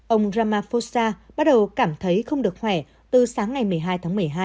ông ramaphosa bắt đầu cảm thấy không được khỏe từ sáng ngày một mươi hai tháng một mươi hai